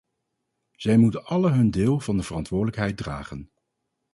Zij moeten allen hun deel van de verantwoordelijkheid dragen.